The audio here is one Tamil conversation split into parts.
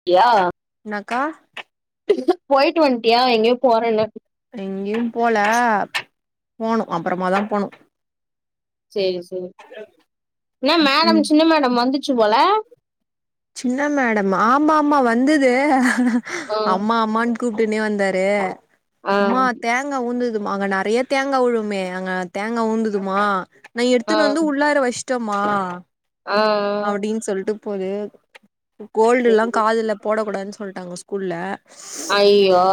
அப்டியா கா போயிட்டு வந்ட்டியா எங்கேயோ போறேன எங்கேயு போல போனு அப்புறமாதா போணு சேஸ் என்னா மேடம் ம் சின்ன மேடம் வந்துச்சு போல என்னா மேடம் ஆமா ஆமா வந்தது ஆ அம்மா அம்மா கூப்பிட்டுனே வந்தாரு ஆ அம்மா தேங்காய் ஊளுந்தது அங்க நெறைய தேங்கா உளுமே அங்க தேங்காய் ஊளுந்துதுமா நா ஆ எடுத்துன்னு வந்து உள்ளார வச் ட்ரும்மா ஆ ஆ போது கோல்டுல்லாங் காதுல போடக்கூடான் சொல்ட்டாங்க ஸ்கூல்ல ஐயோ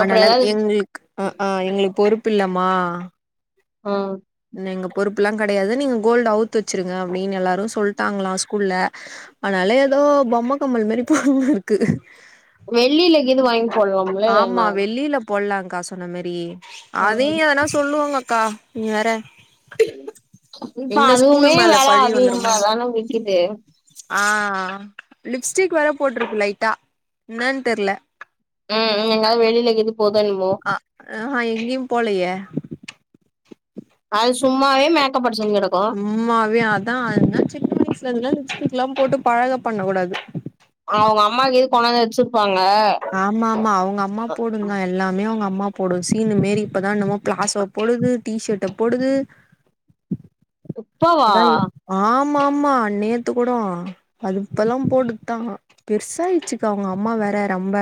ஆனால அது ஏதாவது எங்குளுக் அ ஆ எங்குளுக் பொறுப்பில்லமா ஆ எங்க பொறுப்புலா கெடயாது நீங்க கோல்டு அவுத்வச்சிருங்க அப்டீன் எல்லாரு சொல்ட்டாங்ளா ஸ்கூல்ல ஆதுனால் ல எதோ பொம்ம கம்மல் மாரி [inaudible] கிருக்கு வெள்ளில இகிது வாய்ங் போட்லாம்ல நா க்கா சொன்ன மாரி அதையுயார்னா சொல்லுவாங்கக்கா நீ வேற இப்ப எங்க ஸ்கூல் அதுவுமே மேல வெல பழி அதமா வந்துருமோ தான விக்கிது ஆ லிப்ஸ்டிக் வேற போட்ருக்கு லைட்டா இன்னன் தெர்ல ம் ம் எங்னாது வெளில எங்யாது அ அஹா எங்கயு போலயே அது சும்மாவே மேக்கப்பட் சும்மாவே அதா நா சின்ன வயசுல இருந்த்லா லிப்ஸ்டிக்லா போட்டு பழக பண்ணகூடாது அவுங்க அம்மாகு எது போனாங்க வச்சு ஆம்மாம்மா அவுங்க அம்மா போடுந்தா எல்லாமே அவுங்க அம்மா போடு சீனு மேரி இப்பதா என்னமோ பிளாஸோ போடுது டிஷட்ட போடுது இப்பவா ம்மாம்மா நேத்து கூடோ அது இப்பல்லா போடுத்தா பெர்சாய்ச்சுக்கா அவுங்க அம்மா வேற ரம்ப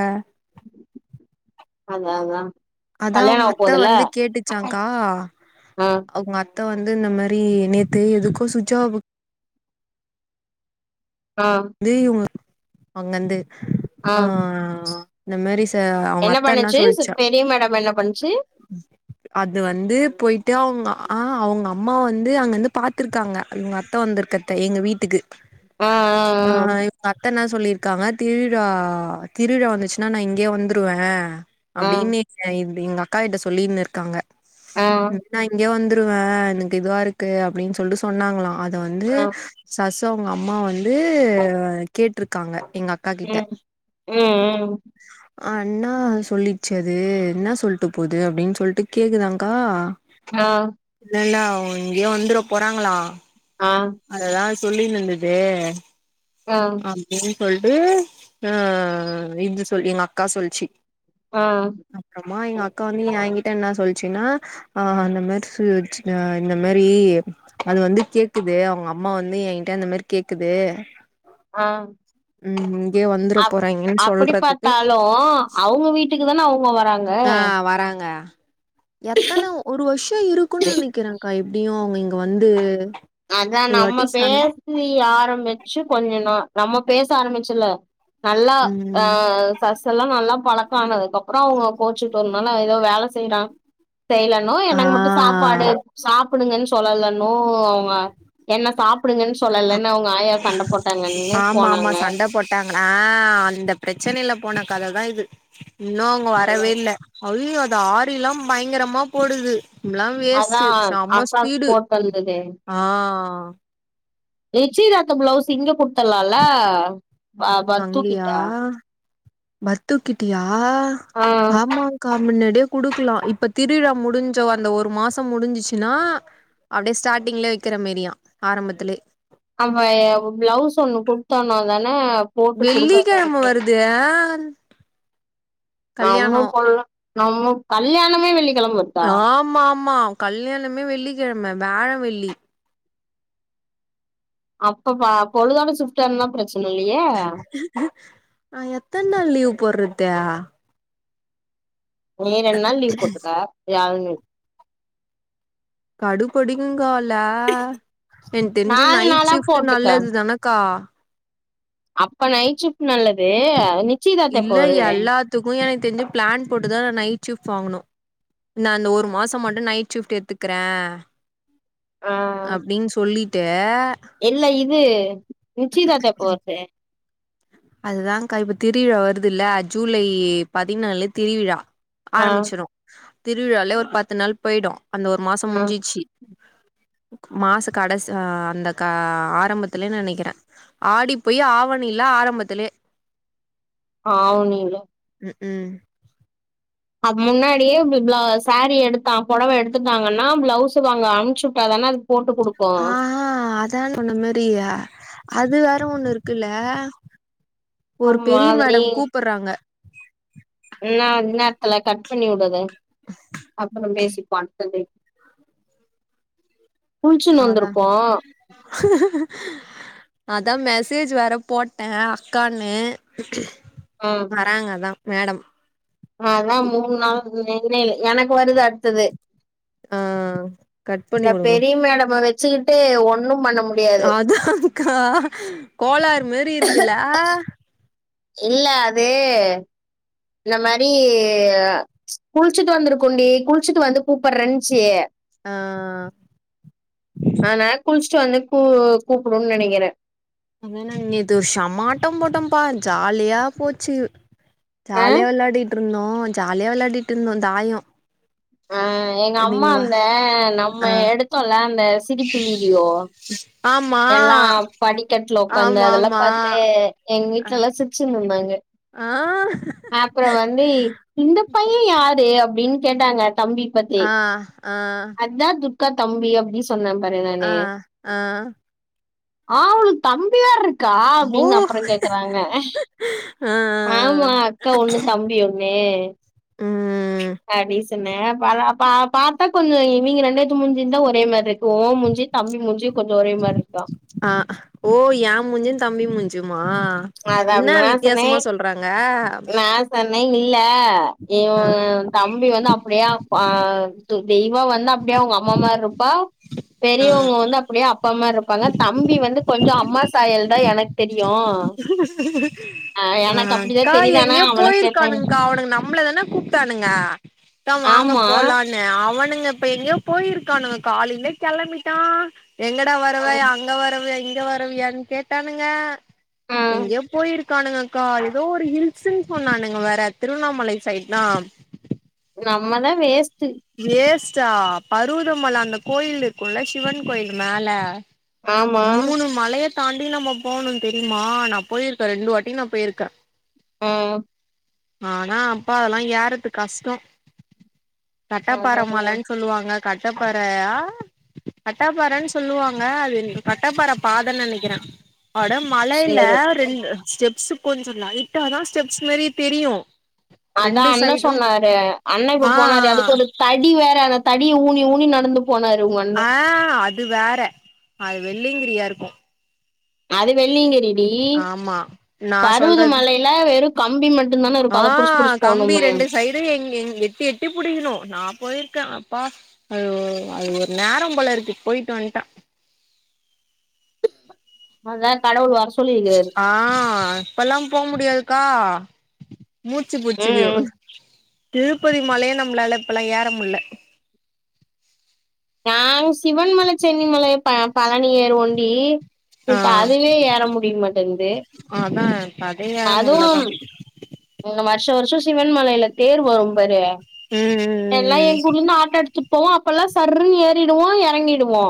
அதா அதா அதா கல்யாணோ அவுங்க ஆவ அத்த போதுல வந்து கேட்டுச்சாங்க்கா ஆ அவ்ங்க த்த வந்து இன்ன மாரி நேத்து எதுக்கோ சுஜாவு ஆ ப்டு இவுங்க அவுங்வந்து ஆ இந்த மாரி த்த அவுங்க என்ன அத்த என்னா பண்ணுச்சு சு சொல்ச்சா பெரிய மேடம் என்ன பண்ணுச்சு அது வந்து போய்ட்டு அவ்ங்க ஆ அவுங்க அம்மா வந்து அங்கர்ந்து பாத்துருக்காங்க இவ்ங்க அத்த வந்திருக்கற்த எங்க வீட்டுக்கு ஆ ஆ இப் அத்தென்னாஸ் சொல்லிர்க்காங்க திருவிழா திருவிழா வந்துச்னா நா இங்யே வந்துருவ ஆ அப்டின்னேக்ங்க இது எங் அக்கா கிட்ட சொல்லின்னிருக்காங்க ஆ நா இங்க வந்து டுங்க எனக்கு இதுவாருக்கு அப்டின் சொல்ட்டு சொன்னாங்குளா அத வந்து ஆ ஆ சஸு அவுங்க அம்மா வந் து கேட்ருக்காங்க எங்க அக்கா கிட்ட ம் ம் ம் அண்ணா சொல்லிச்சது ன்னா சொல்ட்டு போது அப்டின் சொல்ட்டு கேக்குறாங்க்கா ஆ இல்ல இல்ல அவுங்க இங்குயோ வந்துரபோறாங்குளா ஆ அதல்லா சொல்லின்னனிந்துது ஆ அப்டின் சொல்ட்டு அ இது சொல்லி எங் அக்கா சொல்ச்சு ஆ அமா எங்க அக்கா வந்து ஏன்கிட்ட என்ன சொல்ச்சுனா ஆ அந்த மாரி ச்சு வச்க்ங்க இந்த மாரி அது வந்து கேக்குது அவ்ங்க அம்மா வந்து ஏன்கிட்ட இந்த மாரி கேக்குது ஆ ம் ம் இங்யை வந்துற அப் போறாய்ங்கென் அப்படி சொல்றதுக்கு பாத்தாலு அவங்க வீட்டுக்கு தான அவங்க வராங்க ஆ வராங்க எத்தன ஒரு வர்ஷோ இருக்குன் நனைக்கிறன்க்கா எப்டியு அவுங்க இங்க வந்து அதா ஒரு நம்ம வாட்டி சண் பேசி ஆரமிச்சு கொஞ்ச நா நம்ம பேச ஆரமிச்சுல நல்லா ஆ ம் சஸ் எல்லா நல்லா பழக்கானதுக்கப்புறோ அவ்ங்க கோச்சுட்டோன்தான எதோ வேல செய்றான் செய்லனு ஆ எனக்கு மட்டு சாப்பாடு சாப்புடுங்கன் சொல்லலன்னும் அவங்க என்ன சாப் ஆப் போட்டாங்கன்னு ஆமா ஆமா போனாங்க சண்டை போட்டாங்கன்னா அந்த பிரச் பிரச்சனையில போன கததா இது இன்னு அவங்க வரவே இல்லை அய்யய்யோ இந்த ஆரில்லா பயங்கரமா போடுது நம்மல்லா அதா வேஸ்ட்டு செம்ம அக்காக்கு ஸ்பீடு போட்டு வந்தது ஆ நிச்சயதார்த்த பிளவுஸ் இங்க குடுத்தலாம்ல அ பட்டு கிட்ட அங்கயா பத்துக்கிட்டியா ஆ ஆமாங்கா முன்னாடியே குடுக்கலாம் இப்ப திருவிழா முடிஞ்ச அந்த ஒரு மாசம் முடிஞ்சிச்சுன்னா அப்படியே ஸ்டார்டிங்ல வைக்கிற மாரியா ஆரம்பத்திலே அவ பிளவுஸ் ஒண்ணு குடுத்தோனும் தானே அவ போட்டுக் கொடுக்கா வெள்ளிக்கிழம கரெக்ட்டா வருது ஆ கல்யாணோ நாமளும் போடலாம் நம்ம கல்யாண ஆமா ஆமா கல்யாணமே வெள்ளிக்கிழம வியாழ வெள்ளி அப்ப ப பொழுதோட ஷிஃப்ட்டானா பிரச் ஆ எத்தனா லீவ் போடுறத நீ ரெண்டு நாள் லீவ் போட்டுக்க வியாழன் வெள்ளி கடுபடிகுங் காலே எனக்கு தெரிஞ்ச நாலு நைட் நாளா ஷிஃப்ட் போட்டுக்க நல்லது தானே கா அப்ப நைட் ஷிஃப்ட் நல்லது நிச்சயதார்த்தம் எப்ப இல்ல வருது எல்லாத்துக்கு எனக்கு தெரிஞ்சு பிளான் போட்டுதான் நான் நைட் ஷிஃப்ட் வாங்கணும் நான் அந்த ஒரு மாசம் மட்டும் நைட் ஷிஃப்ட் எடுத்துக்குறேன் ஆ அப்டின்னு சொல்லிட்டு இல்ல இது நிச்சயதார்த்த எப்போ வருது அதுதான்கா இப்ப திருவிழா வருது இல்ல ஜூலை பதினாலு திருவிழா ஆ ஆரம்பிச்சுரும் திருவிளாலே ஒரு பத்து நாள் போயிடும் அந்த மாசம் ஆ முடிஞ்சுச்சி மாச கடசி அ அந்த கா ஆரம்பத்திலே நனைக்கிறே ஆடி போய் ஆவணில்ல ஆரம்பத்துலே ஆவணில ம் அது முன்னாடியே பிள் பளா சாரி எடுத்தா புடவ எடுத்துட்டாங்கன்னா பிளவுஸ் வாங்க அனுப்ச்சு வுட்டாாதானா அது போட்டு குடுக்கு ஆ அதா சொன்ன மாரியா அது வ அத்த ஒண்ணு இருக்குல்ல ஒரு ஆமா பெரிய அது நீ மேடம் கூப்புறாங்க என்ன இன் நேரத்துல கட் பண்ணி விடு அத அப்புற பேசிப்போ அத்த டைம் குளிச்சுன்னு அத்தா வந்திருக்கோ அ தா மெசேஜ் வேர போட்டே அக்கான்னு ஆ வராங்க தா மேடம் அதா மூணு நாள் இல்ல இல்ல எனக்கு வருது அடுத்தது ஆ கட் பண்ணி இந்த வுடுங்க பெரிய மேடம வெச்சுக்கிட்டு ஒண்ணும் பண்ண முடியாது அதா க்கா கோளறு மாரி இருக்குல்ல இல்ல அது இந்த மாரி குளிச்சிட்டு வந்துருக்கோ டீ குளிச்சுட்டு வந்து கூப்புட்றன்ச்சு ஆ ஆ நா குள்ச் ச்சு வந்து கூ கூப்புடுன்னு நெனைக்கிறே முந்தினா நேத்து ஒரு செம்மாட்டம் போட்டோம்பா ஜாலியா போச்சு ஆ ஜாலியா விளையாடிட்ருந்தோ ஜாலியா விளையாடிட்ருந்தோ தாயோ அ எங்க அம்மா நீங்க வா அந்த நம்ம ஆ எடுத்தோல்ல அந்த சிரிப்பு வீடியோ ஆமா எல்லா படிக்கட்ல உக்காந்து ஆமா அதெல்லா ஆமா பாத்து எங்க ஆ வீட்லெல்லா சிரிச்சிருந்து தாங்க ஆ அப்புறோ வந்து இந்த பைய யாரு அப்புடின்னு கேட்டாங்க தம்பி பத்தி ஆ ஆ அத்தா து க்கா தம்பி அப்டி சொன்னே பாரு ஆ நானு ஆ ஆவளுக் தம்பி வேற்ருக்கா ஓ அப்டின்னு அப்புறோ கேக்கறாங்க ஆ ஆமா அக்கா ஒண்ணு தம்பி ஒண்ணு ம் துன்னே பாலாபா பாத்தா கொஞ்சோ இவிங்க ரெண்டுவேர்த்து மூஞ்சியுந்தா ஒரே மார்ருக் இருக்கா ஆ ஓ ஏ மூஞ்சியு தம்பி மூஞ்சியும் மா அது என்ன அப்டி நா வித்தியாசமா சொல்றாங்க நைன் இல்ல இவ தம்பி வந்து அப்புடியே ஆ பா து தெய்வா வந்து அப்டியே அவங்க அம்மா மார்ருப்பா ஆ பெரியவங்க வந்து அப்டியே அப் ப்பாமார்ருப்பாங்க தம்பி வந்து கொஞ்சோ அம்மா சாயல் தா எனக் தெரியு ஆ எனக்கு அப்டிதா அக்கா தெரியுது ஆனா எங்கயோ அவள கேட்டே போயிருக்கானுங்க்கா அவனுங்க நம்மளதானே கூப்ட்டானுங்க தா வாங்க ஆமா போலான்னு அவன் னுங்க இப்ப எங்கேயோ போயிருக்கானுங்க காலையிலே கெளம்பிட்டா எங்கடா ஆ வரவ ஏ அங்க வரவையா இங்க வரவியான்னு கேட்டானுங்க ஆ எங்கயோ போயிருக் கானுங்கக்கா ஏதோ ஒரு ஹில்ஸ்ன்னு சொன்னானுங்க வேற திருவண்ணாமலை சைட் தா நம்மதா வேஸ்ட் வேஸ்ட்டா பருவதமல அந்த கோயில் இருக்குல்ல சிவன் கோயில் மேல ஆமா மூணு மலைய தாண்டி நம்ம போனோ தெரியுமா நா போயிருக்கே ரெண்டு வாட்டி நா போயிருக்கே ம் ஆனா அப்பா அதெல்லா ஏறத்து கஷ்டோ அதா அதா கட்டப்பாறமலன்னு சொல்லுவாங்க கட்டப்பாற ஆ கட்டாப்பாறன்னு சொல்லுவாங்க அது ன் கட்டாப்பாற பாதன்னு நெனைக்கிறே அட மழையில சேரி ரெண்டு ஸ்டெப்ஸ்ஸு கொஞ்சோ லைட்டா தா ஸ்டெப்ஸ் மாரியே தெரியு அதா ரெண்டு அண்ண சைடும் சொன்னாரு அண்ண ஆ இப்ப போனாறே அதுக்கு ஒரு தடி வேற அந்த தடிய ஊனி ஊனி நடந்துப் ஆ அது வேற அது வெள்ளயங்கிரியா இருக்கூ அது வெள்ளிங்கிரிடி ஆமா நா சொல்றது பருவுதுமலையில வெரு ஆ கம்பி ரெண்டு சைடு எங் எங் எட்டி எட்டி புடிக்கிணு நா போயிர்க்கே அப்பா அது ஓ அது ஒரு நேரம் போல இருக்கு போயிட்டு வந்ட்டா அத்தா கடவுள் வர ஸ் ஆ இப்பல்லா போ முடியாதுக்கா மூச்சு புச்சுக்கியு ம் திருப்பதி மலையே நம்பளால இப்பல்லா ஏறமுல்ல நாங் சிவன்மல சென்னிமலைய ப பழனி ஏறுவோண்டீ ஆ இப்ப அதுவே ஏற முடியமாட்டேன்து அதா இப்ப அதே ஏற முட்லதா அதுவும் இந்த வருஷ வருஷோ சிவன்மலையில தேர் வரும்பரு எல்லா ம் ம் எங்க ஊர்லிருந்து ஆட்டோ எடுத்துட்டுப்போவோ அப்பல்லா சர்ருனு ஏறிடுவோ எறங்கிடுவோ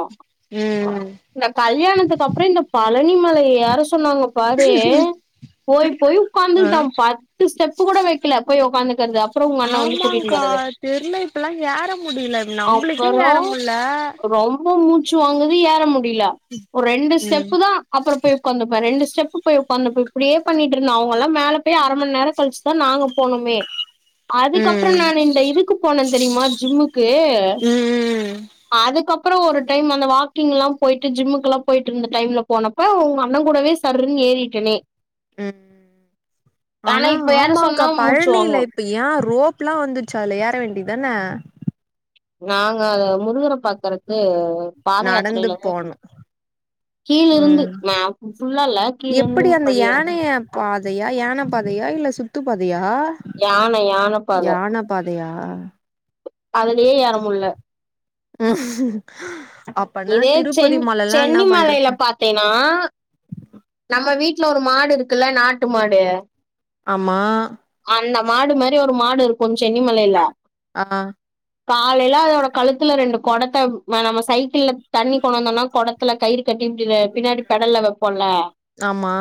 ம் ம் இந்த கல்யாணத்துக்கு அப்புற இந்த பழனிமலைய ஏற சொன்னாங்க பாரு போய் போய் உக்காந்துகிட்ட ம் பத்து ஸ்டெப்பு கூட வைக்கல பேய் உக்காந்து ஆமாங்க்கா தெரில இப்பெல்லா ஏற முடியில நம்பளுக்கே அப்புறோ ஏற முட்ல ரொம்ப மூச்சு வாங்குது ஏற முடியில ஒரு ரெண்டு ம் ஸ்டெப்பு தா அப்புற போய் உக்காந்துப்ப ரெண்டு ஸ் செப்பு போய் உக்காந்துப்ப இப்புடியே பண்ணிட்டு இருந்த அவுங்கல்லா மேல பேய் அர மண் நேர கழிச்சுதா நாங்க போனோமே அதுக்கப்புற ம் நான் இந்த இதுக்கு போனேந் தெரியுமா ஜிம்முக்கு ம் அதுக்கப் புறோ ஒரு டைம் அந்த வாக்கிங் ல்லா போய்ட்டு ஜிம்முக்கு எல்லா போய்ட்டிருந்த டைம்ல போனப்ப உங்க அண்ணங் கூடவே சர்ருனு ஏ ஏறிட்டனே ம் ஆனா இப்ப யாரு சொன்னா ஆமாக்கா மூச்சு பழனில வாங்கு இப்ப ஏன் ரோப்லா வந்துருச்சு அதுல ஏற வேண்டிதான நாங்க அத முருகர பாக்கறது பாத நடந்து யாத்திரையிலதா போணு கீழ இருந்து ம் ம ஃபுல்லா இல்ல கீழ இருந்தும் படி ஏறனும் தயா யான பாதையா இல்ல சுத்து பாதையா யான யான பாத யான பாதையா அதுலயே ஏறமுல்ல ம் அப்பனா இதே சென் திருப்பதி மலல்லா என்ன சென்னி மலைல பண்றது பாத்தீன்னா நம்ம வீட்டு வீட்ல ஒரு மாடு இருக்குல்ல நாட்டு மாடு ஆமா அந்த மாடு மாரி ஒரு மாடு இருக்கும் சென்னிமலையில ஆ காலையில அதோட கழுத்துல ரெண்டு கொடத்த ம நம்ம சை சைக்கிள தண்ணி கொனந்தோனா கொடத்துல கயிறு கட்டி இப்டி பின்னாடி பெடல்ல வெப்போல ஆமா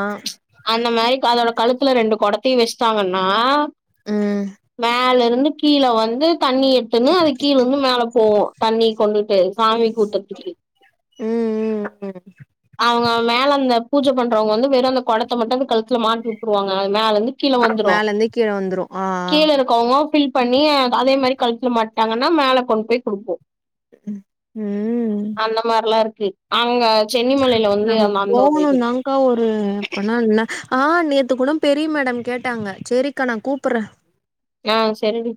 அந்த மாரி அதோட கழுத்துல ரெண்டு கொடத்தையு வெஷ்டாங்கன்னா ம் மேல இருந்து கீழ வந்து தண்ணி எட்துன்னு அது கீழ இருந்து மேல போவு தண்ணி கொண்டுட்டு சாமி கூ ம் ம் ம் அவுங்க மேல அந்த பூஜ பண்றவங்க வந்து வெறு அந்த கொடத்த மட்டு வந்து கழுத்துல மாட்டிவுட்ருவாங்க மேலருந்து கீழ வந்துரு மேலந்து கீழ வந்துரு ஆ ஆ கீழ இருக்கவுங்க பில் பண்ணி அதே மாரி கழுத்துல மாட்டாங்கன்னா மேல கொண்டு போய் குடுக்கூ ம் கு அங்க சென்னிமலையில வந்து நம்ம அந்த அந்த ஒரு இது இருக்கு போகனுந்தாக்கா ஒரு அப்பனா ன்ன ஆ நேத்து கூட பெரிய மேடம் கேட்டாங்க செரிக்கா நா கூப்புட்ற ஆ செரி டி